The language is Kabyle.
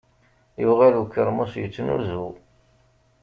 Yuɣal ukermus yettnuzu.